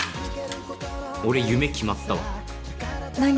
俺夢決まったわ何？